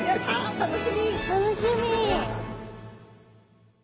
楽しみ。